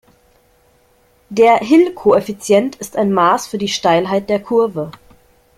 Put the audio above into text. Der Hill-Koeffizient ist ein Maß für die Steilheit der Kurve.